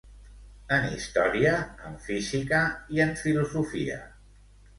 En història, en física i en filosofia.